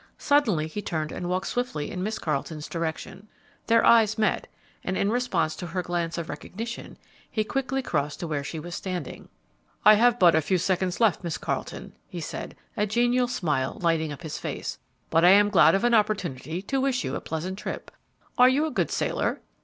Suddenly he turned and walked swiftly in Miss Carleton's direction. Their eyes met, and in response to her glance of recognition he quickly crossed to where she was standing. "I have but a few seconds left, Miss Carleton," he said, a genial smile lighting up his face; "but I am glad of an opportunity to wish you a pleasant trip. Are you a good sailor?"